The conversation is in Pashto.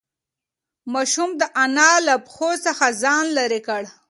ماشوم د انا له پښو څخه ځان لیرې کړ.